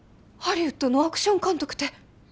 ハリウッドのアクション監督て！